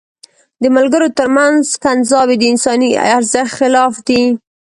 د ملګرو تر منځ کنځاوي د انساني ارزښت خلاف دي.